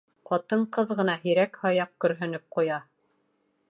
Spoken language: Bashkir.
Ҡатын-ҡыҙ ғына һирәк-һаяҡ көрһөнөп ҡуя.